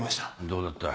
どうだった？